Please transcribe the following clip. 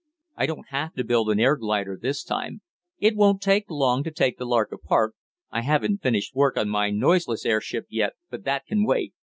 I don't have to build an air glider this time. It won't take long to take the Lark apart. I haven't finished work on my noiseless airship yet, but that can wait.